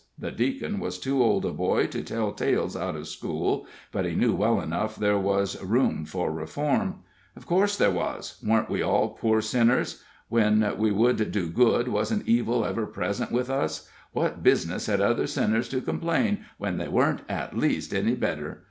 The Deacon was too old a boy to tell tales out of school, but he knew well enough there was room for reform. Of course there was weren't we all poor sinners? when we would do good wasn't evil ever present with us? what business had other sinners to complain, when they weren't, at least, any better?